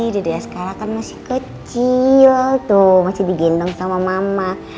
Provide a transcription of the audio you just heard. sekarang kan masih kecil tuh masih digendong sama mama